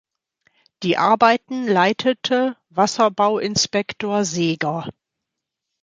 Die Arbeiten leitete Wasserbauinspektor Seeger.